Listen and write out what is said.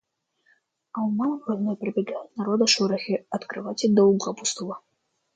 А у мамы больной пробегают народа шорохи от кровати до угла пустого.